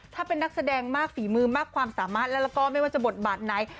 ถ้าเป็นนักแสดงมากฝีมือมากความสามารถแล้วก็ไม่ว่าจะบทบาทไหน